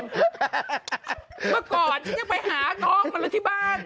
เมื่อก่อนฉันยังไปหาน้องมาเลยที่บ้าน